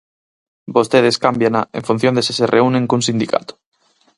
Vostedes cámbiana en función de se se reúnen cun sindicato.